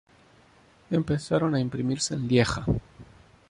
Empezaron a imprimirse en Lieja.